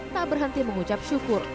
tak berhenti mengucap syukur